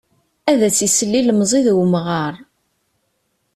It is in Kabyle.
Ad as-isel ilemẓi d umɣar.